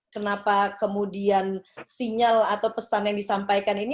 kenapa kemudian sinyal atau pesan yang disampaikan ini